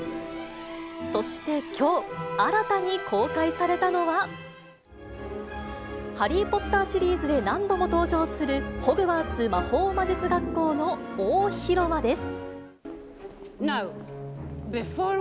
そしてきょう、新たに公開されたのは、ハリー・ポッターシリーズで何度も登場する、ホグワーツ魔法魔術学校の大広間です。